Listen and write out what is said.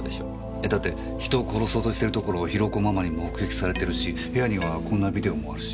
えだって人を殺そうとしてるところをヒロコママに目撃されてるし部屋にはこんなビデオもあるし。